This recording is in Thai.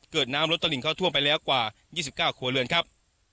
เกิดน้ำลดตะหลิงเข้าท่วมไปแล้วกว่า๒๙ครัวเรือนครับ